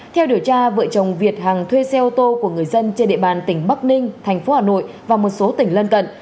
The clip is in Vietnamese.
theo điều tra vợ chồng việt hằng thuê xe ô tô của người dân trên địa bàn tỉnh bắc ninh thành phố hà nội và một số tỉnh lân cận